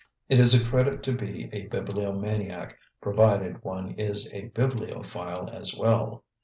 It is a credit to be a bibliomaniac provided one is a bibliophile as well.